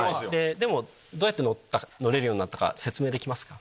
でもどうやって乗れるようになったか説明できますか？